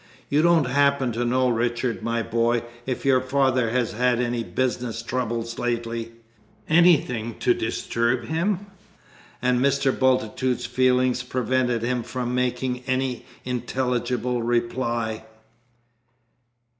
"You don't happen to know, Richard, my boy, if your father has had any business troubles lately anything to disturb him?" And Mr. Bultitude's feelings prevented him from making any intelligible reply.